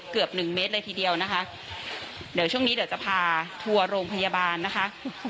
เกือบหนึ่งเมตรเลยทีเดียวนะคะเดี๋ยวช่วงนี้เดี๋ยวจะพาทัวร์โรงพยาบาลนะคะ